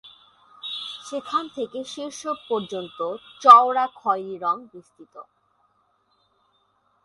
সেখান থেকে শীর্ষ পর্যন্ত চওড়া খয়েরি রঙ বিস্তৃত।